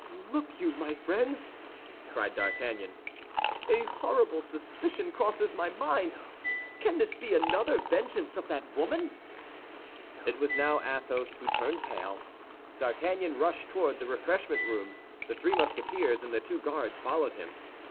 "Look you, my friends!" cried D'Artagnan, "a horrible suspicion crosses my mind! Can this be another vengeance of that woman?" It was now Athos who turned pale. D'Artagnan rushed toward the refreshment room, the three Musketeers and the two Guards following him.